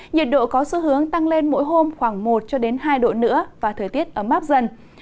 nhiệt độ có xu hướng tăng lên mỗi hôm khoảng một hai độ nữa và thời tiết ấm áp dần